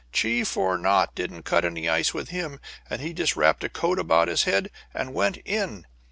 Chief or not didn't cut any ice with him, and he just wrapped a coat around his head and went in.